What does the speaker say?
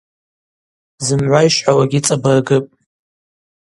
Зымгӏва йшвхӏвауагьи цӏабыргыпӏ.